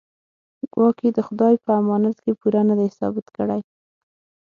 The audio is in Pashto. ګواکې د خدای په امانت کې پوره نه دی ثابت کړی.